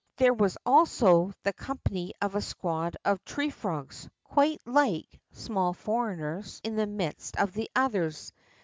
There was also in the company a squad of tree frogs, quite like small foreigners in the midst of the others.